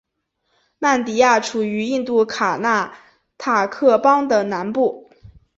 曼迪亚处于印度卡纳塔克邦的南部。